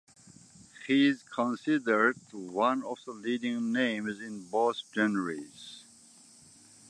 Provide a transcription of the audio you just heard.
He is considered one of the leading names in both genres.